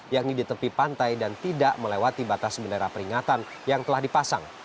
yakni di tepi pantai dan tidak melewati batas bendera peringatan yang telah dipasang